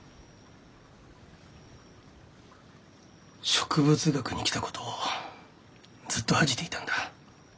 植物学に来たことをずっと恥じていたんだ。